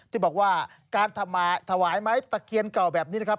ที่บอกว่าการถวายไม้ตะเคียนเก่าแบบนี้นะครับ